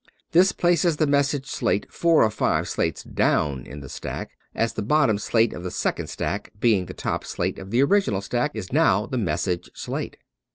This places the message slate four or five slates down in the stack ; as the bottom slate of the second stack, being the top slate of the original stack, is now the message slate.